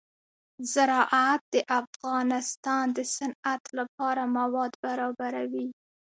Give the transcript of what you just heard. زراعت د افغانستان د صنعت لپاره مواد برابروي.